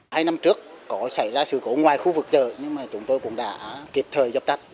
hai năm trước có xảy ra sự cố ngoài khu vực chợ nhưng mà chúng tôi cũng đã kịp thời dập tắt